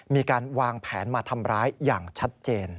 มีการวางแผนมาทำร้ายอย่างชัดเจน